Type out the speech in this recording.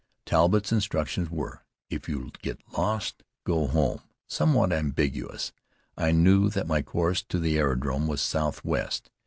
Talbott's instructions were, "If you get lost, go home" somewhat ambiguous. I knew that my course to the aerodrome was southwest.